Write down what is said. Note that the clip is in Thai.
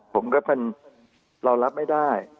ผมก็เป็นเรารับไม่ได้